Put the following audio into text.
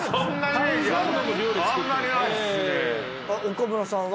岡村さんは？